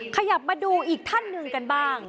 ขยับมาดูอีกท่านหนึ่งกันบ้าง